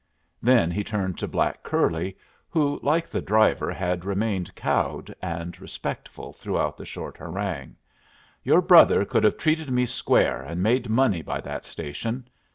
Then he returned to black curly, who, like the driver, had remained cowed and respectful throughout the short harangue. "Your brother could have treated me square and made money by that station.